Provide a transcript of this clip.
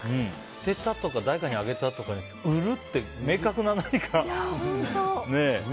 捨てたとか誰かにあげたとかじゃなくて売るって明確な何か。